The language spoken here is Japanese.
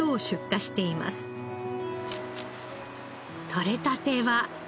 とれたては。